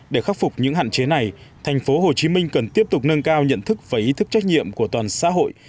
để khắc phục những hạn chế này thành phố hồ chí minh cần tiếp tục nâng cao nhận thức và ý thức trách nhiệm của toàn xã hội